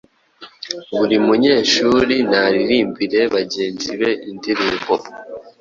Buri munyeshuri naririmbire bagenzi be indirimbo